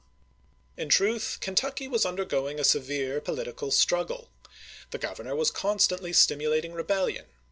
In truth, Kentucky was undergoing a severe political struggle. The Grovernor was constantly stimulating rebellion.